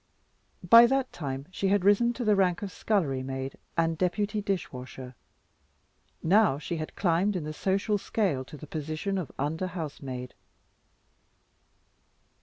By that time she had risen to the rank of scullery maid and deputy dishwasher; now she had climbed in the social scale to the position of under housemaid.